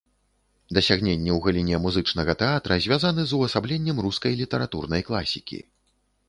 Дасягненні ў галіне музычнага тэатра звязаны з увасабленнем рускай літаратурнай класікі.